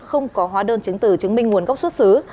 không có hóa đơn chứng từ chứng minh nguồn gốc xuất xứ